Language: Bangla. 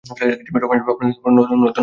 রমেশবাবু, আপনি নর্মদা-ঝরনা দেখিয়াছেন?